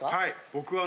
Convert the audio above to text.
僕は。